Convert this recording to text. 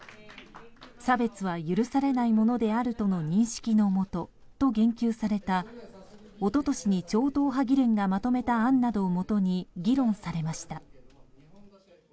差別は許されないものであるとの認識のもとと言及された一昨年に超党派議連がまとめた案などをもとに議論されました。